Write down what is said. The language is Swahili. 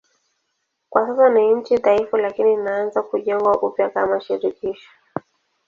Kwa sasa ni nchi dhaifu lakini inaanza kujengwa upya kama shirikisho.